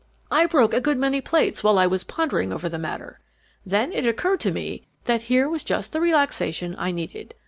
"I broke a good many plates while I was pondering over the matter. Then it occurred to me that here was just the relaxation I needed.